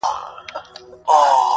جونګړه د زمرو ده څوک به ځي څوک به راځي-